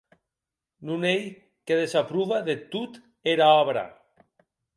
Non ei que desaprova deth tot era òbra.